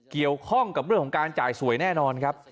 เกี่ยวข้องกับเรื่องของการจ่ายสวยแน่นอนครับ